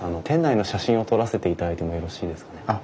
店内の写真を撮らせていただいてもよろしいですかね？